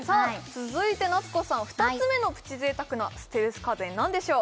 続いて奈津子さん２つ目のプチ贅沢なステルス家電何でしょう？